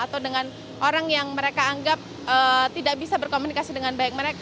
atau dengan orang yang mereka anggap tidak bisa berkomunikasi dengan baik mereka